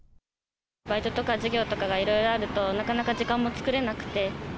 バイトとか授業とかがいろいろあると、なかなか時間も作れなくて。